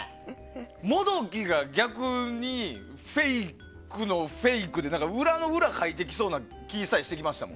モドキが逆にフェイクのフェイクで裏の裏かいてきそうな気もしてきました。